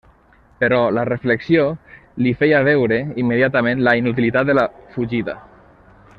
Però la reflexió li feia veure immediatament la inutilitat de la fugida.